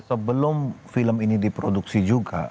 sebelum film ini diproduksi juga